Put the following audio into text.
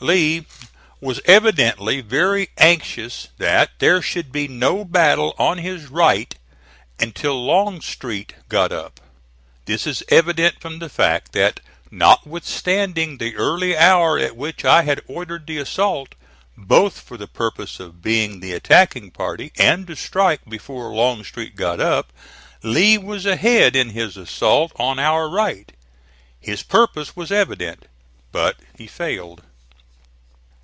Lee was evidently very anxious that there should be no battle on his right until Longstreet got up. This is evident from the fact that notwithstanding the early hour at which I had ordered the assault, both for the purpose of being the attacking party and to strike before Longstreet got up, Lee was ahead in his assault on our right. His purpose was evident, but he failed.